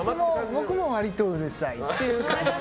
僕も割とうるさいっていう感じ。